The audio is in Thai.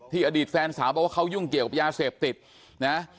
อดีตแฟนสาวบอกว่าเขายุ่งเกี่ยวกับยาเสพติดนะ